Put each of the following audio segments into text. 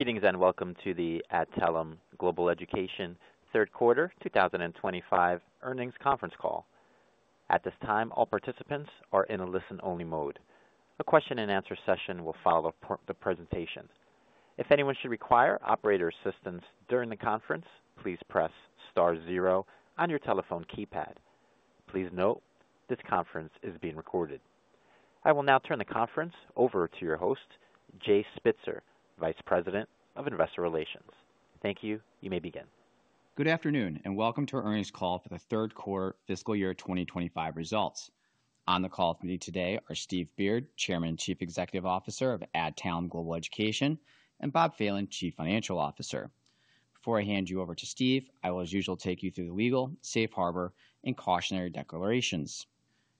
Greetings and welcome to the Adtalem Global Education Third Quarter 2025 earnings conference call. At this time, all participants are in a listen-only mode. A question-and-answer session will follow the presentation. If anyone should require operator assistance during the conference, please press star zero on your telephone keypad. Please note this conference is being recorded. I will now turn the conference over to your host, Jay Spitzer, Vice President of Investor Relations. Thank you. You may begin. Good afternoon and welcome to our earnings call for the third quarter fiscal year 2025 results. On the call with me today are Steve Beard, Chairman and Chief Executive Officer of Adtalem Global Education, and Bob Phelan, Chief Financial Officer. Before I hand you over to Steve, I will, as usual, take you through the legal, safe harbor, and cautionary declarations.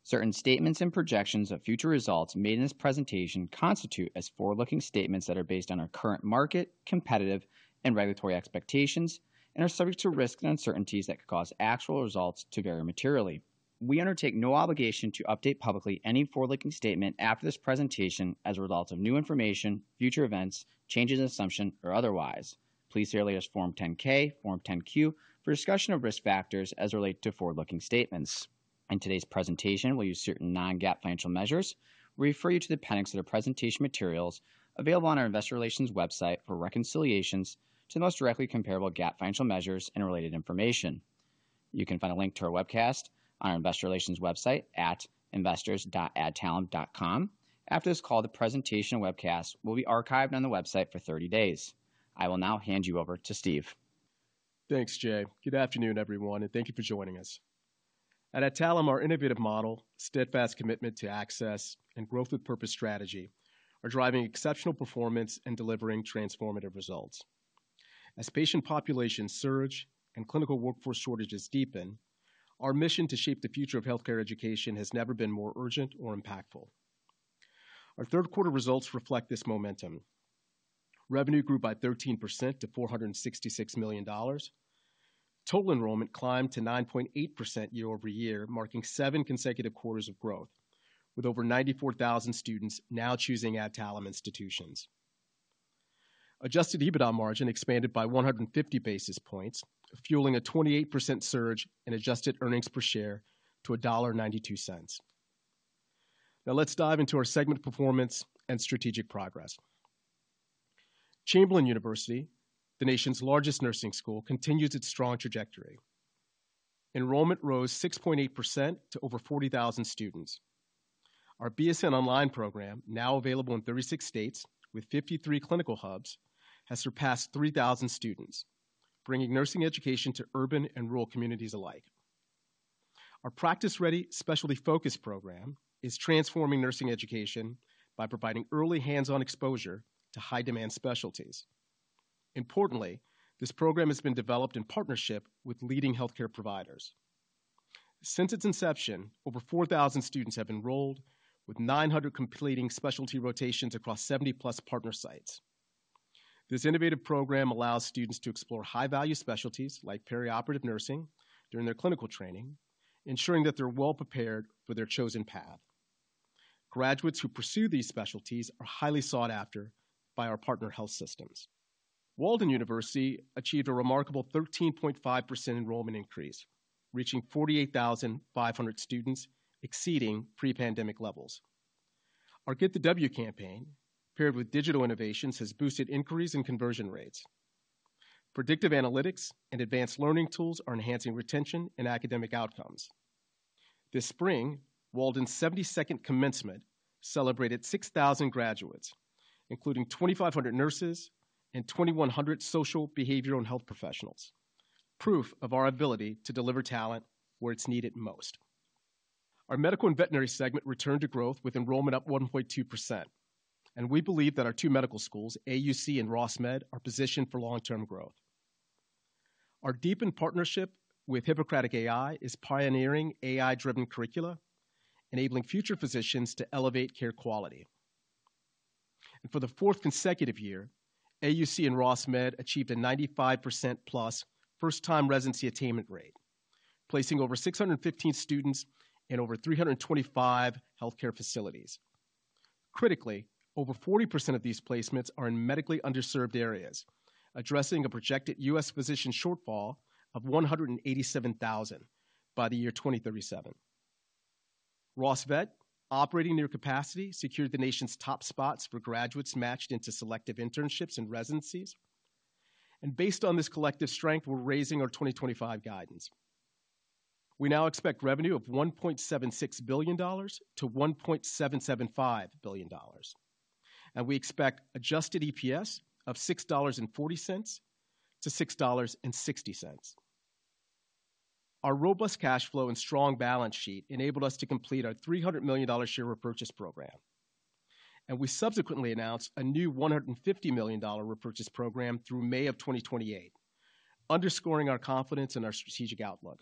Certain statements and projections of future results made in this presentation constitute as forward-looking statements that are based on our current market, competitive, and regulatory expectations, and are subject to risks and uncertainties that could cause actual results to vary materially. We undertake no obligation to update publicly any forward-looking statement after this presentation as a result of new information, future events, changes in assumption, or otherwise. Please see our latest Form 10-K, Form 10-Q for discussion of risk factors as it relates to forward-looking statements. In today's presentation, we'll use certain non-GAAP financial measures and refer you to the appendix of the presentation materials available on our Investor Relations website for reconciliations to the most directly comparable GAAP financial measures and related information. You can find a link to our webcast on our Investor Relations website at investors.adtalem.com. After this call, the presentation and webcast will be archived on the website for 30 days. I will now hand you over to Steve. Thanks, Jay. Good afternoon, everyone, and thank you for joining us. At Adtalem, our innovative model, steadfast commitment to access and growth with purpose strategy, are driving exceptional performance and delivering transformative results. As patient populations surge and clinical workforce shortages deepen, our mission to shape the future of healthcare education has never been more urgent or impactful. Our third quarter results reflect this momentum. Revenue grew by 13% to $466 million. Total enrollment climbed to 9.8% year over year, marking seven consecutive quarters of growth, with over 94,000 students now choosing Adtalem institutions. Adjusted EBITDA margin expanded by 150 basis points, fueling a 28% surge in adjusted earnings per share to $1.92. Now let's dive into our segment performance and strategic progress. Chamberlain University, the nation's largest nursing school, continues its strong trajectory. Enrollment rose 6.8% to over 40,000 students. Our BSN Online Program, now available in 36 states with 53 clinical hubs, has surpassed 3,000 students, bringing nursing education to urban and rural communities alike. Our Practice-Ready Specialty Focus Program is transforming nursing education by providing early hands-on exposure to high-demand specialties. Importantly, this program has been developed in partnership with leading healthcare providers. Since its inception, over 4,000 students have enrolled, with 900 completing specialty rotations across 70-plus partner sites. This innovative program allows students to explore high-value specialties like perioperative nursing during their clinical training, ensuring that they're well prepared for their chosen path. Graduates who pursue these specialties are highly sought after by our partner health systems. Walden University achieved a remarkable 13.5% enrollment increase, reaching 48,500 students, exceeding pre-pandemic levels. Our Get the W campaign, paired with digital innovations, has boosted inquiries and conversion rates. Predictive analytics and advanced learning tools are enhancing retention and academic outcomes. This spring, Walden's 72nd commencement celebrated 6,000 graduates, including 2,500 nurses and 2,100 social, behavioral, and health professionals, proof of our ability to deliver talent where it's needed most. Our medical and veterinary segment returned to growth with enrollment up 1.2%, and we believe that our two medical schools, AUC and Ross Med, are positioned for long-term growth. Our deepened partnership with Hippocratic AI is pioneering AI-driven curricula, enabling future physicians to elevate care quality. For the fourth consecutive year, AUC and Ross Med achieved a 95% plus first-time residency attainment rate, placing over 615 students in over 325 healthcare facilities. Critically, over 40% of these placements are in medically underserved areas, addressing a projected U.S. physician shortfall of 187,000 by the year 2037. Ross Vet, operating near capacity, secured the nation's top spots for graduates matched into selective internships and residencies. Based on this collective strength, we're raising our 2025 guidance. We now expect revenue of $1.76 billion-$1.775 billion, and we expect adjusted EPS of $6.40-$6.60. Our robust cash flow and strong balance sheet enabled us to complete our $300 million share repurchase program, and we subsequently announced a new $150 million repurchase program through May of 2028, underscoring our confidence in our strategic outlook.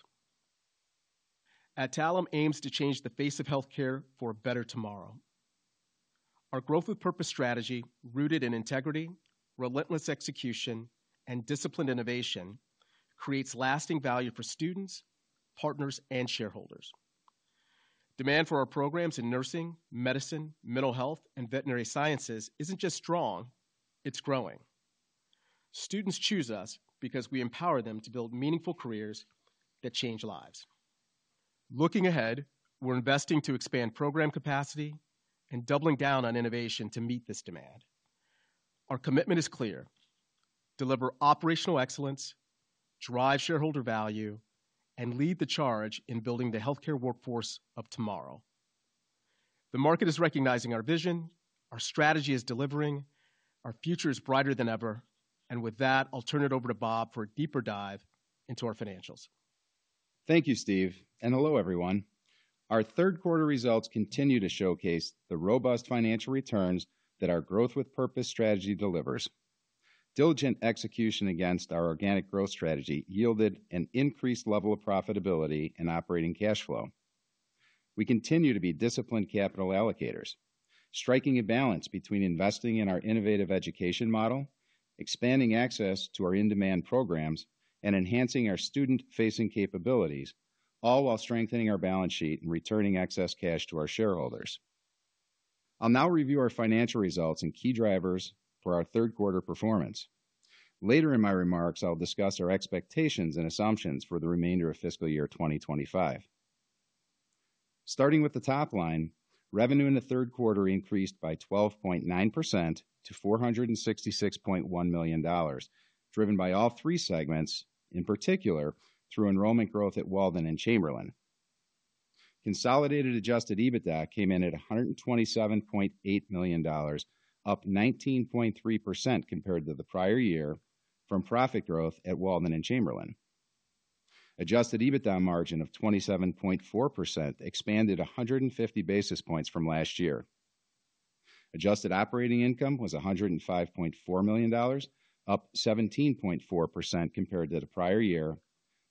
Adtalem aims to change the face of healthcare for a better tomorrow. Our growth with purpose strategy, rooted in integrity, relentless execution, and disciplined innovation, creates lasting value for students, partners, and shareholders. Demand for our programs in nursing, medicine, mental health, and veterinary sciences isn't just strong; it's growing. Students choose us because we empower them to build meaningful careers that change lives. Looking ahead, we're investing to expand program capacity and doubling down on innovation to meet this demand. Our commitment is clear: deliver operational excellence, drive shareholder value, and lead the charge in building the healthcare workforce of tomorrow. The market is recognizing our vision, our strategy is delivering, our future is brighter than ever, and with that, I'll turn it over to Bob for a deeper dive into our financials. Thank you, Steve, and hello, everyone. Our third quarter results continue to showcase the robust financial returns that our growth with purpose strategy delivers. Diligent execution against our organic growth strategy yielded an increased level of profitability and operating cash flow. We continue to be disciplined capital allocators, striking a balance between investing in our innovative education model, expanding access to our in-demand programs, and enhancing our student-facing capabilities, all while strengthening our balance sheet and returning excess cash to our shareholders. I'll now review our financial results and key drivers for our third quarter performance. Later in my remarks, I'll discuss our expectations and assumptions for the remainder of fiscal year 2025. Starting with the top line, revenue in the third quarter increased by 12.9% to $466.1 million, driven by all three segments, in particular through enrollment growth at Walden and Chamberlain. Consolidated adjusted EBITDA came in at $127.8 million, up 19.3% compared to the prior year from profit growth at Walden and Chamberlain. Adjusted EBITDA margin of 27.4% expanded 150 basis points from last year. Adjusted operating income was $105.4 million, up 17.4% compared to the prior year,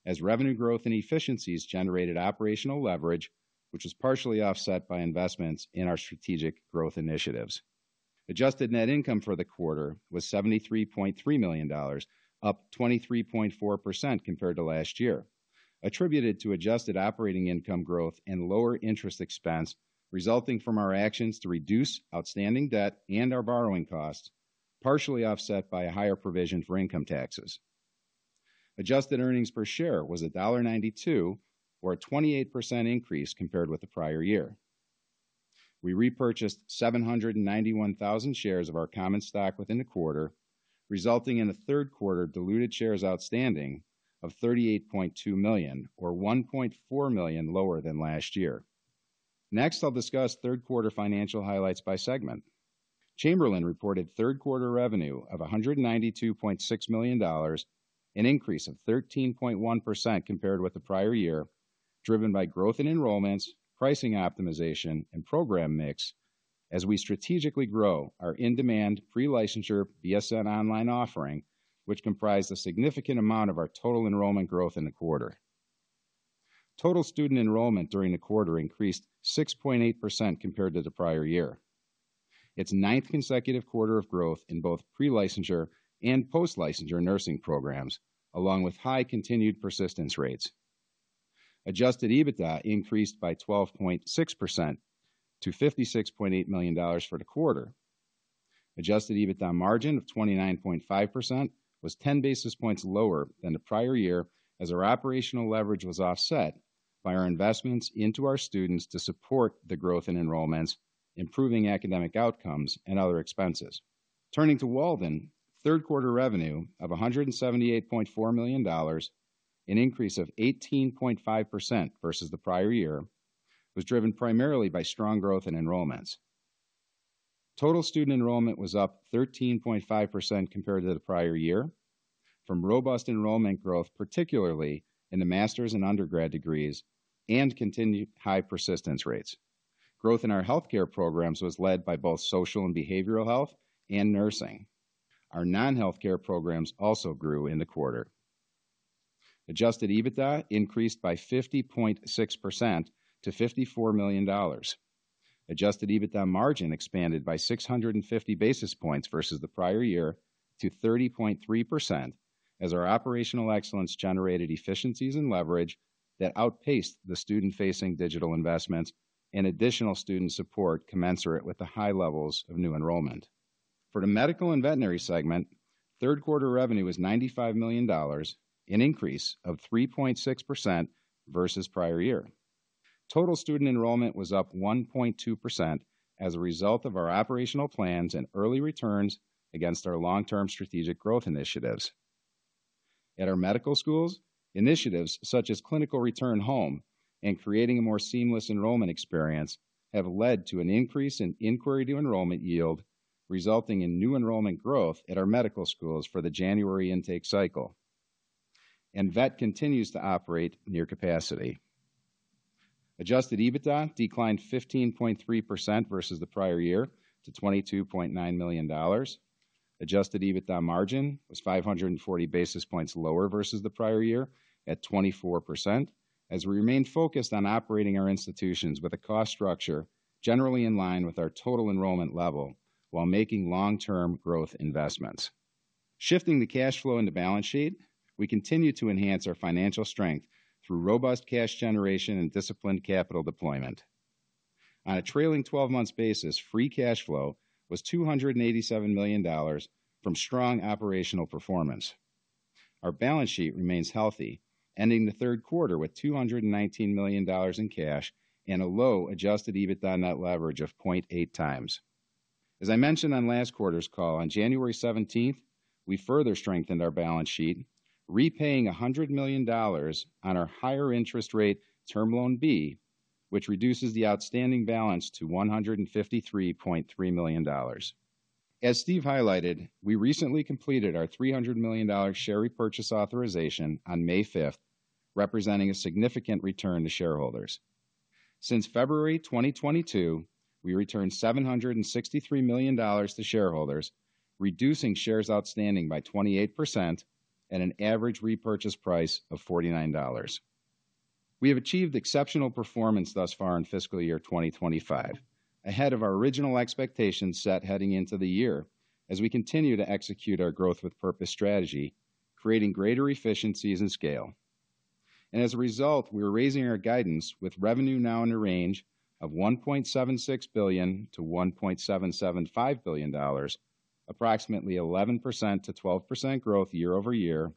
as revenue growth and efficiencies generated operational leverage, which was partially offset by investments in our strategic growth initiatives. Adjusted net income for the quarter was $73.3 million, up 23.4% compared to last year, attributed to adjusted operating income growth and lower interest expense resulting from our actions to reduce outstanding debt and our borrowing costs, partially offset by a higher provision for income taxes. Adjusted earnings per share was $1.92, or a 28% increase compared with the prior year. We repurchased 791,000 shares of our common stock within the quarter, resulting in a third quarter diluted shares outstanding of $38.2 million, or $1.4 million lower than last year. Next, I'll discuss third quarter financial highlights by segment. Chamberlain reported third quarter revenue of $192.6 million, an increase of 13.1% compared with the prior year, driven by growth in enrollments, pricing optimization, and program mix as we strategically grow our in-demand pre-licensure BSN online offering, which comprised a significant amount of our total enrollment growth in the quarter. Total student enrollment during the quarter increased 6.8% compared to the prior year. It's ninth consecutive quarter of growth in both pre-licensure and post-licensure nursing programs, along with high continued persistence rates. Adjusted EBITDA increased by 12.6% to $56.8 million for the quarter. Adjusted EBITDA margin of 29.5% was 10 basis points lower than the prior year as our operational leverage was offset by our investments into our students to support the growth in enrollments, improving academic outcomes and other expenses. Turning to Walden, third quarter revenue of $178.4 million, an increase of 18.5% versus the prior year, was driven primarily by strong growth in enrollments. Total student enrollment was up 13.5% compared to the prior year, from robust enrollment growth, particularly in the master's and undergrad degrees, and continued high persistence rates. Growth in our healthcare programs was led by both social and behavioral health and nursing. Our non-healthcare programs also grew in the quarter. Adjusted EBITDA increased by 50.6% to $54 million. Adjusted EBITDA margin expanded by 650 basis points versus the prior year to 30.3% as our operational excellence generated efficiencies and leverage that outpaced the student-facing digital investments and additional student support commensurate with the high levels of new enrollment. For the medical and veterinary segment, third quarter revenue was $95 million, an increase of 3.6% versus prior year. Total student enrollment was up 1.2% as a result of our operational plans and early returns against our long-term strategic growth initiatives. At our medical schools, initiatives such as clinical return home and creating a more seamless enrollment experience have led to an increase in inquiry to enrollment yield, resulting in new enrollment growth at our medical schools for the January intake cycle. Vet continues to operate near capacity. Adjusted EBITDA declined 15.3% versus the prior year to $22.9 million. Adjusted EBITDA margin was 540 basis points lower versus the prior year at 24%, as we remained focused on operating our institutions with a cost structure generally in line with our total enrollment level while making long-term growth investments. Shifting the cash flow into balance sheet, we continue to enhance our financial strength through robust cash generation and disciplined capital deployment. On a trailing 12-month basis, free cash flow was $287 million from strong operational performance. Our balance sheet remains healthy, ending the third quarter with $219 million in cash and a low adjusted EBITDA net leverage of 0.8x. As I mentioned on last quarter's call, on January 17th, we further strengthened our balance sheet, repaying $100 million on our higher interest rate term loan B, which reduces the outstanding balance to $153.3 million. As Steve highlighted, we recently completed our $300 million share repurchase authorization on May 5th, representing a significant return to shareholders. Since February 2022, we returned $763 million to shareholders, reducing shares outstanding by 28% and an average repurchase price of $49. We have achieved exceptional performance thus far in fiscal year 2025, ahead of our original expectations set heading into the year as we continue to execute our growth with purpose strategy, creating greater efficiencies and scale. As a result, we are raising our guidance with revenue now in the range of $1.76 billion-$1.775 billion, approximately 11%-12% growth year over year,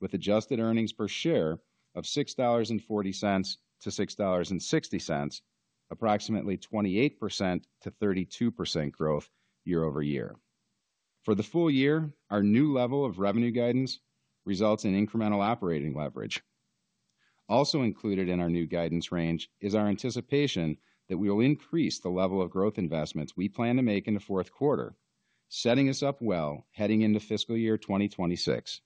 with adjusted earnings per share of $6.40-$6.60, approximately 28%-32% growth year over year. For the full year, our new level of revenue guidance results in incremental operating leverage. Also included in our new guidance range is our anticipation that we will increase the level of growth investments we plan to make in the fourth quarter, setting us up well heading into fiscal year 2026.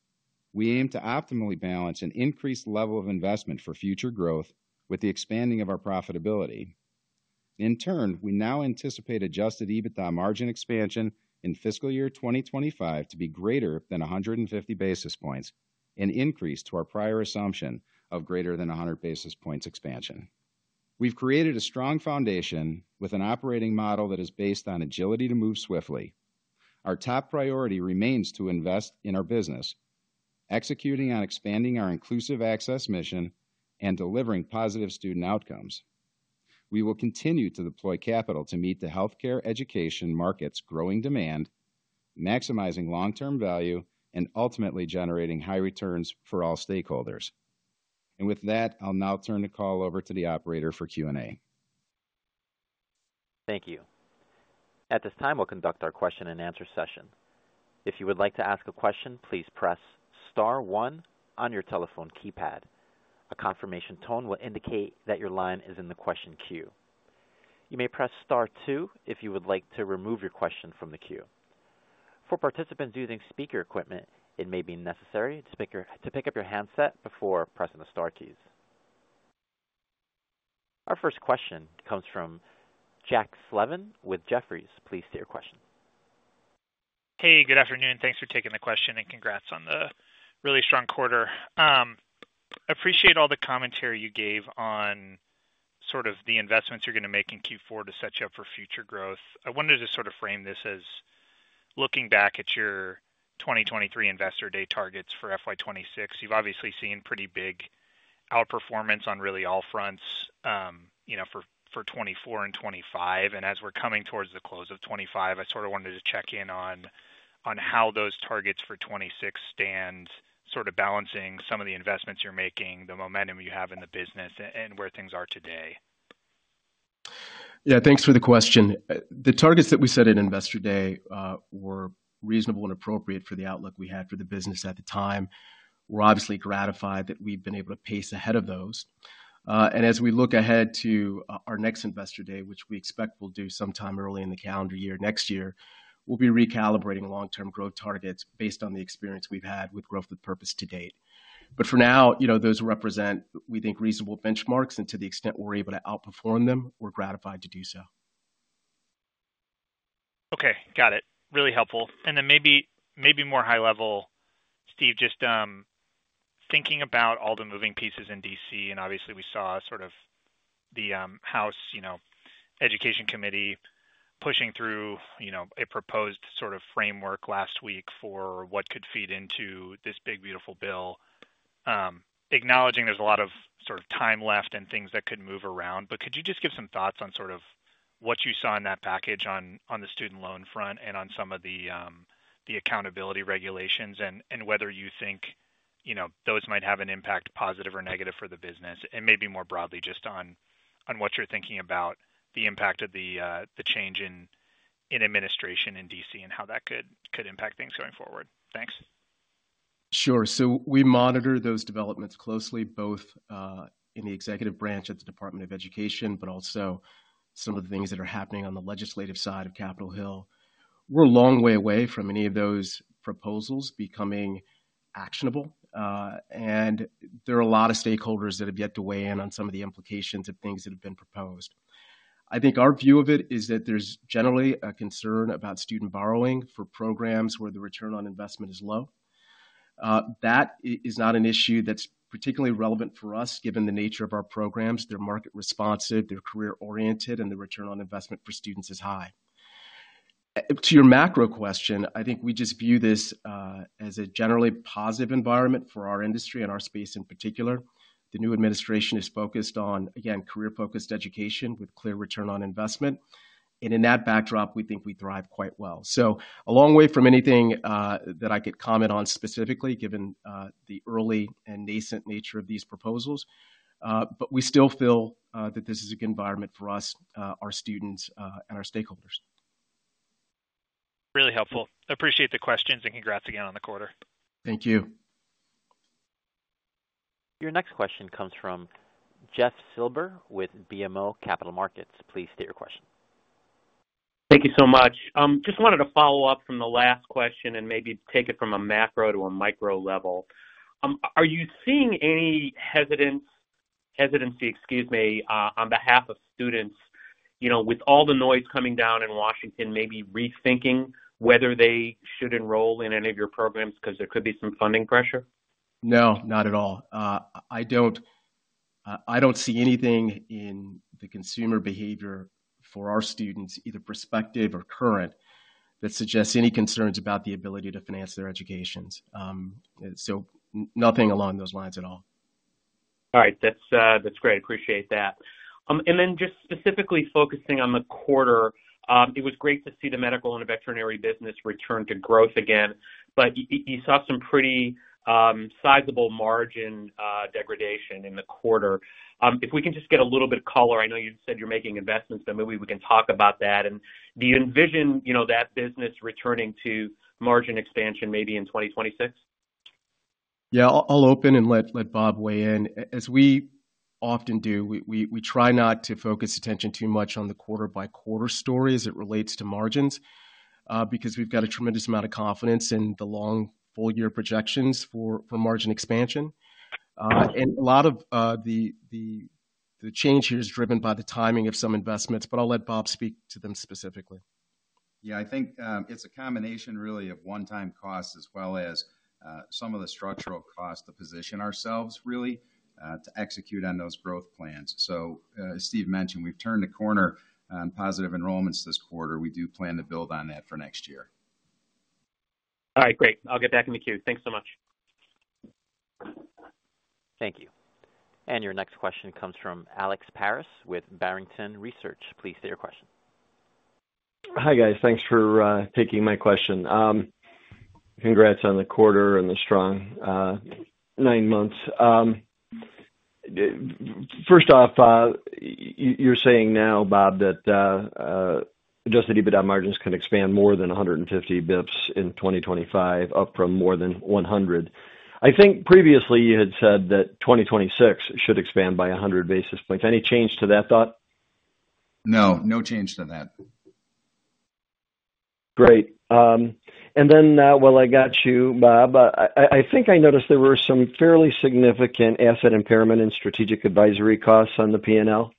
We aim to optimally balance an increased level of investment for future growth with the expanding of our profitability. In turn, we now anticipate adjusted EBITDA margin expansion in fiscal year 2025 to be greater than 150 basis points, an increase to our prior assumption of greater than 100 basis points expansion. We've created a strong foundation with an operating model that is based on agility to move swiftly. Our top priority remains to invest in our business, executing on expanding our inclusive access mission and delivering positive student outcomes. We will continue to deploy capital to meet the healthcare education market's growing demand, maximizing long-term value and ultimately generating high returns for all stakeholders. I'll now turn the call over to the operator for Q&A. Thank you. At this time, we'll conduct our question and answer session. If you would like to ask a question, please press Star 1 on your telephone keypad. A confirmation tone will indicate that your line is in the question queue. You may press Star 2 if you would like to remove your question from the queue. For participants using speaker equipment, it may be necessary to pick up your handset before pressing the Star keys. Our first question comes from Jack Slevin with Jefferies. Please state your question. Hey, good afternoon. Thanks for taking the question and congrats on the really strong quarter. I appreciate all the commentary you gave on sort of the investments you're going to make in Q4 to set you up for future growth. I wanted to sort of frame this as looking back at your 2023 Investor Day targets for FY2026. You've obviously seen pretty big outperformance on really all fronts for 2024 and 2025. As we're coming towards the close of 2025, I sort of wanted to check in on how those targets for 2026 stand, sort of balancing some of the investments you're making, the momentum you have in the business, and where things are today. Yeah, thanks for the question. The targets that we set at Investor Day were reasonable and appropriate for the outlook we had for the business at the time. We're obviously gratified that we've been able to pace ahead of those. As we look ahead to our next Investor Day, which we expect we'll do sometime early in the calendar year next year, we'll be recalibrating long-term growth targets based on the experience we've had with growth with purpose to date. For now, those represent, we think, reasonable benchmarks, and to the extent we're able to outperform them, we're gratified to do so. Okay, got it. Really helpful. Maybe more high level, Steve, just thinking about all the moving pieces in D.C., and obviously we saw sort of the House Education Committee pushing through a proposed sort of framework last week for what could feed into this big, beautiful bill, acknowledging there's a lot of sort of time left and things that could move around. Could you just give some thoughts on sort of what you saw in that package on the student loan front and on some of the accountability regulations and whether you think those might have an impact positive or negative for the business? Maybe more broadly, just on what you're thinking about the impact of the change in administration in D.C. and how that could impact things going forward. Thanks. Sure. We monitor those developments closely, both in the executive branch at the Department of Education, but also some of the things that are happening on the legislative side of Capitol Hill. We're a long way away from any of those proposals becoming actionable. There are a lot of stakeholders that have yet to weigh in on some of the implications of things that have been proposed. I think our view of it is that there's generally a concern about student borrowing for programs where the return on investment is low. That is not an issue that's particularly relevant for us, given the nature of our programs. They're market responsive, they're career oriented, and the return on investment for students is high. To your macro question, I think we just view this as a generally positive environment for our industry and our space in particular. The new administration is focused on, again, career-focused education with clear return on investment. In that backdrop, we think we thrive quite well. A long way from anything that I could comment on specifically, given the early and nascent nature of these proposals. We still feel that this is a good environment for us, our students, and our stakeholders. Really helpful. Appreciate the questions and congrats again on the quarter. Thank you. Your next question comes from Jeff Silber with BMO Capital Markets. Please state your question. Thank you so much. Just wanted to follow up from the last question and maybe take it from a macro to a micro level. Are you seeing any hesitancy, excuse me, on behalf of students with all the noise coming down in Washington, maybe rethinking whether they should enroll in any of your programs because there could be some funding pressure? No, not at all. I do not see anything in the consumer behavior for our students, either prospective or current, that suggests any concerns about the ability to finance their educations. Nothing along those lines at all. All right. That's great. Appreciate that. And then just specifically focusing on the quarter, it was great to see the medical and veterinary business return to growth again. You saw some pretty sizable margin degradation in the quarter. If we can just get a little bit of color, I know you said you're making investments, but maybe we can talk about that. Do you envision that business returning to margin expansion maybe in 2026? Yeah, I'll open and let Bob weigh in. As we often do, we try not to focus attention too much on the quarter-by-quarter story as it relates to margins because we've got a tremendous amount of confidence in the long full-year projections for margin expansion. A lot of the change here is driven by the timing of some investments, but I'll let Bob speak to them specifically. Yeah, I think it's a combination really of one-time costs as well as some of the structural costs to position ourselves really to execute on those growth plans. As Steve mentioned, we've turned a corner on positive enrollments this quarter. We do plan to build on that for next year. All right, great. I'll get back in the queue. Thanks so much. Thank you. Your next question comes from Alex Paris with Barrington Research. Please state your question. Hi guys. Thanks for taking my question. Congrats on the quarter and the strong nine months. First off, you're saying now, Bob, that adjusted EBITDA margins can expand more than 150 basis points in 2025, up from more than 100. I think previously you had said that 2026 should expand by 100 basis points. Any change to that thought? No, no change to that. Great. And then while I got you, Bob, I think I noticed there were some fairly significant asset impairment and strategic advisory costs on the P&L.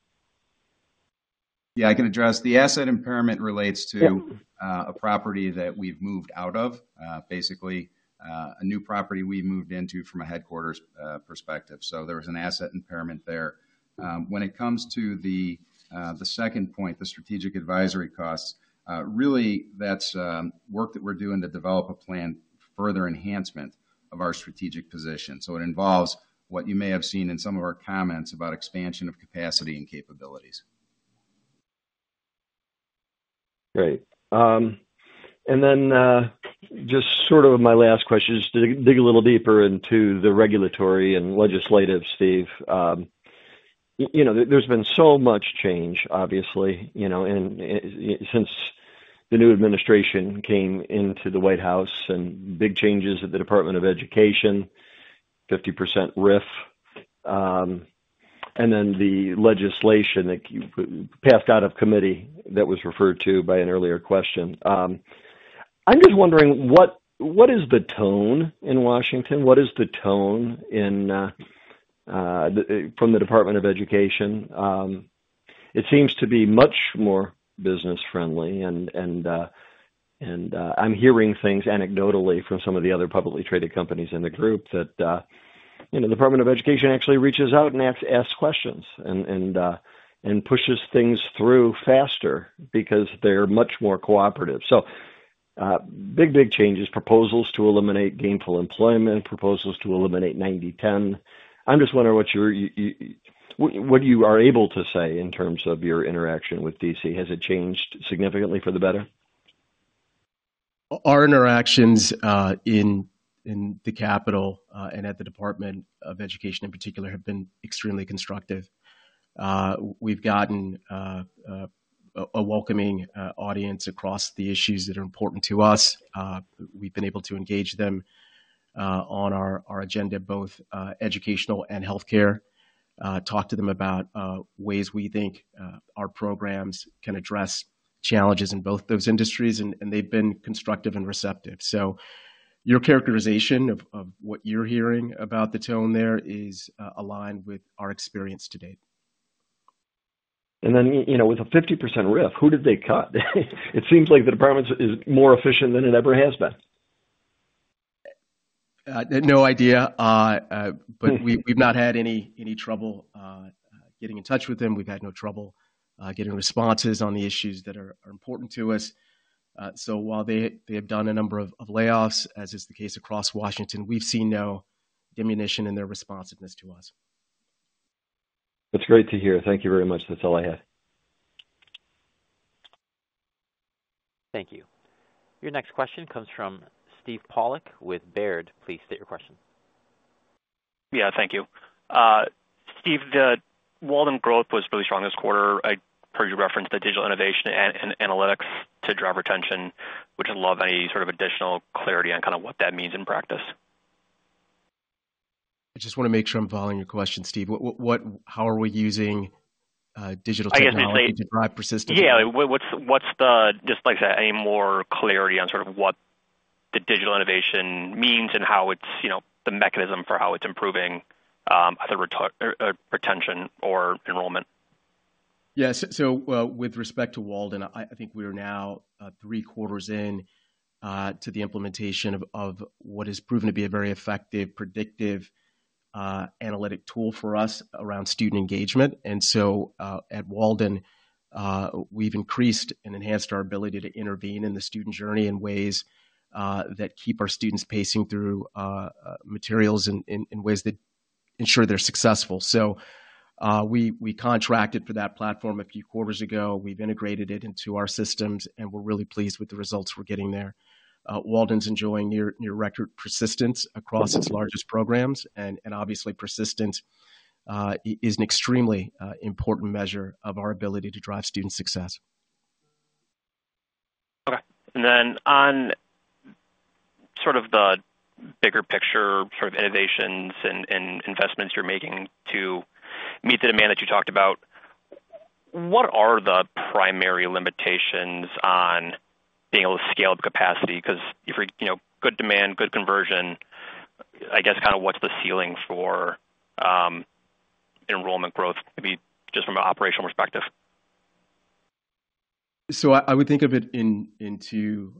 Yeah, I can address. The asset impairment relates to a property that we've moved out of, basically a new property we moved into from a headquarters perspective. There was an asset impairment there. When it comes to the second point, the strategic advisory costs, really that's work that we're doing to develop a plan for further enhancement of our strategic position. It involves what you may have seen in some of our comments about expansion of capacity and capabilities. Great. And then just sort of my last question is to dig a little deeper into the regulatory and legislative, Steve. There's been so much change, obviously, since the new administration came into the White House and big changes at the Department of Education, 50% RIF, and then the legislation that passed out of committee that was referred to by an earlier question. I'm just wondering, what is the tone in Washington? What is the tone from the Department of Education? It seems to be much more business-friendly. I'm hearing things anecdotally from some of the other publicly traded companies in the group that the Department of Education actually reaches out and asks questions and pushes things through faster because they're much more cooperative. Big, big changes, proposals to eliminate gainful employment, proposals to eliminate 90/10. I'm just wondering what you are able to say in terms of your interaction with D.C. Has it changed significantly for the better? Our interactions in the Capital and at the Department of Education in particular have been extremely constructive. We've gotten a welcoming audience across the issues that are important to us. We've been able to engage them on our agenda, both educational and healthcare, talk to them about ways we think our programs can address challenges in both those industries, and they've been constructive and receptive. Your characterization of what you're hearing about the tone there is aligned with our experience to date. With a 50% RIF, who did they cut? It seems like the department is more efficient than it ever has been. No idea. We've not had any trouble getting in touch with them. We've had no trouble getting responses on the issues that are important to us. While they have done a number of layoffs, as is the case across Washington, we've seen no diminution in their responsiveness to us. That's great to hear. Thank you very much. That's all I had. Thank you. Your next question comes from Steve Pawlak with Baird. Please state your question. Yeah, thank you. Steve, the Walden growth was really strong this quarter. I heard you reference the digital innovation and analytics to drive retention, which I'd love any sort of additional clarity on kind of what that means in practice. I just want to make sure I'm following your question, Steve. How are we using digital technology to drive persistence? Yeah, just like I said, any more clarity on sort of what the digital innovation means and the mechanism for how it's improving retention or enrollment? Yeah, so with respect to Walden, I think we are now three quarters in to the implementation of what has proven to be a very effective, predictive analytic tool for us around student engagement. At Walden, we've increased and enhanced our ability to intervene in the student journey in ways that keep our students pacing through materials in ways that ensure they're successful. We contracted for that platform a few quarters ago. We've integrated it into our systems, and we're really pleased with the results we're getting there. Walden's enjoying near-record persistence across its largest programs. Obviously, persistence is an extremely important measure of our ability to drive student success. Okay. And then on sort of the bigger picture sort of innovations and investments you're making to meet the demand that you talked about, what are the primary limitations on being able to scale up capacity? Because good demand, good conversion, I guess kind of what's the ceiling for enrollment growth, maybe just from an operational perspective? I would think of it in two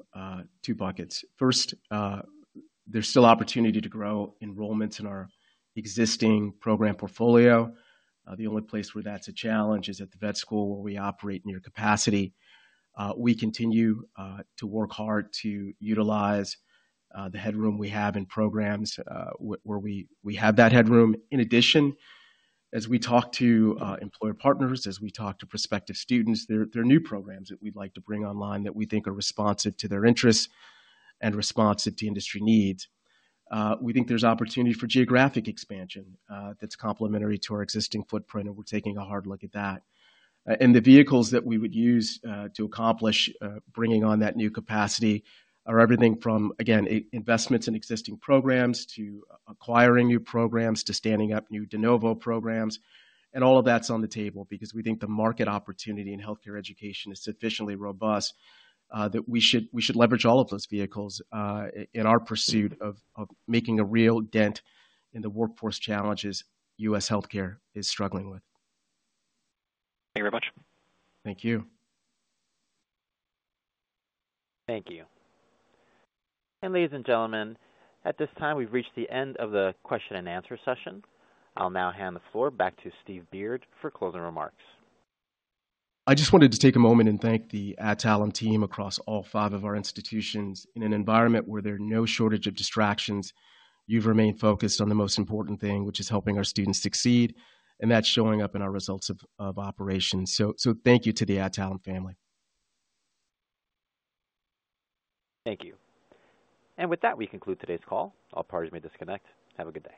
buckets. First, there's still opportunity to grow enrollments in our existing program portfolio. The only place where that's a challenge is at the vet school where we operate near capacity. We continue to work hard to utilize the headroom we have in programs where we have that headroom. In addition, as we talk to employer partners, as we talk to prospective students, there are new programs that we'd like to bring online that we think are responsive to their interests and responsive to industry needs. We think there's opportunity for geographic expansion that's complementary to our existing footprint, and we're taking a hard look at that. The vehicles that we would use to accomplish bringing on that new capacity are everything from, again, investments in existing programs to acquiring new programs to standing up new DeNovo programs. All of that's on the table because we think the market opportunity in healthcare education is sufficiently robust that we should leverage all of those vehicles in our pursuit of making a real dent in the workforce challenges U.S. healthcare is struggling with. Thank you very much. Thank you. Thank you. Ladies and gentlemen, at this time, we've reached the end of the question and answer session. I'll now hand the floor back to Steve Beard for closing remarks. I just wanted to take a moment and thank the Adtalem team across all five of our institutions. In an environment where there are no shortage of distractions, you've remained focused on the most important thing, which is helping our students succeed, and that's showing up in our results of operations. Thank you to the Adtalem family. Thank you. And with that, we conclude today's call. All parties may disconnect. Have a good day.